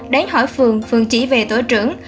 đến hỏi phường phường chỉ về tổ trưởng